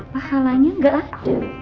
fahalanya gak ada